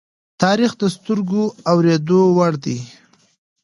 تاریخ د سترگو د اوریدو وړ دی.